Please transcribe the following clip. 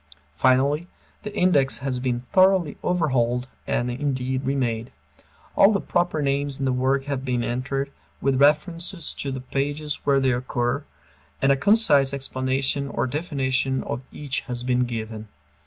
Finally, the index has been thoroughly overhauled and, indeed, remade. All the proper names in the work have been entered, with references to the pages where they occur, and a concise explanation or definition of each has been given.